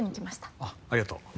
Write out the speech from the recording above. ああありがとう。